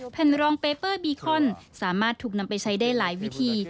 แผ่นรองเปเปอร์บีคอนสามารถถูกนำไปใช้ได้หลายวิธี